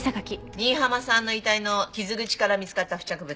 新浜さんの遺体の傷口から見つかった付着物